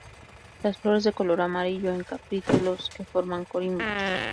Las flores de color amarillo en capítulos que forman corimbos.